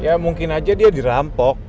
ya mungkin aja dia dirampok